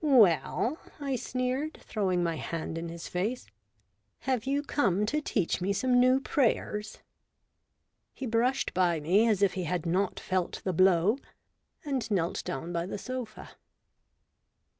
"Well!' 1 I sneered, throwing my hand in his face, "have you come to teach me some new prayers ?" He brushed by me as if he had not felt the blow, and knelt down by the sofa.